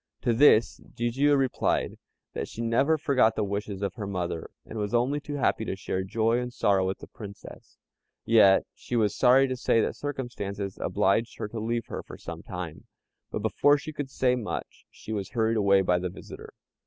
To this Jijiu replied, that she never forgot the wishes of her mother, and was only too happy to share joy and sorrow with the Princess; yet she was sorry to say that circumstances obliged her to leave her for some time; but before she could say much, she was hurried away by the visitor.